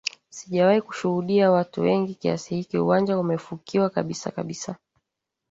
sijawahi kushuhudia watu wengi kiasi hiki uwanja umefukiwa kabisa kabisa